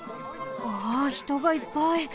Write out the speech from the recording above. わあひとがいっぱい。